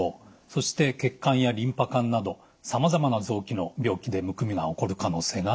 そして血管やリンパ管などさまざまな臓器の病気でむくみが起こる可能性があります。